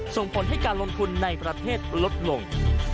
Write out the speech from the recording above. ส่งผลให้การลงทุนในประเทศลดลง